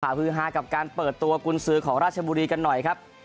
ฮือฮากับการเปิดตัวกุญสือของราชบุรีกันหน่อยครับ